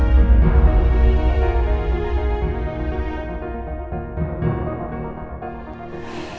sampai mendapat teror semacam ini